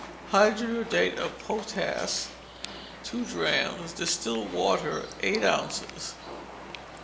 Hydriodate of potass, two drachms; distilled water, eight ounces.